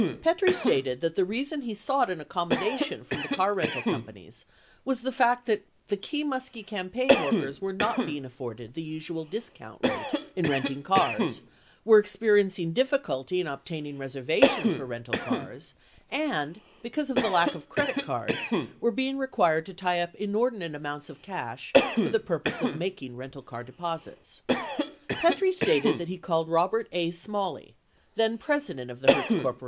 Petrie stated that the reason he sought an accommodation from the car rental companies was the fact that the key Muskie campaign work ers were not being afforded the usual discount rate in renting cars, were experiencing difficulty in obtaining reservations for rental cars, and, because of the lack of credit cards, were being required to tie up inordinate amounts of cash for the purpose of making rental car deposits. Petrie stated that he called Robert A. Smalley, then president of the Hertz Corp.